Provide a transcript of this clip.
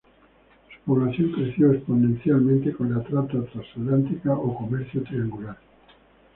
Su población creció exponencialmente con la trata transatlántica o comercio triangular.